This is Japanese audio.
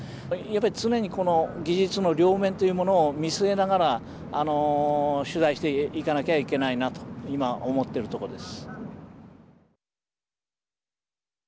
常に技術の両面というものを見据えながら取材していかなきゃいけないなと今思っているとこです。